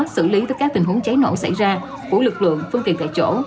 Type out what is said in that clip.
xử lý từ các tình huống cháy nổ xảy ra của lực lượng phương tiện tại chỗ